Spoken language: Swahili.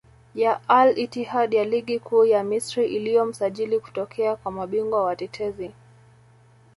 ya Al Ittihad ya Ligi Kuu ya Misri iliyo msajili kutokea kwa mabingwa watetezi